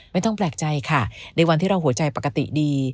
ไม่ต้องแปลกใจค่ะในวันที่เราหัวใจปกติดี